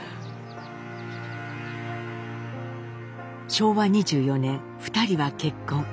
昭和２４年２人は結婚。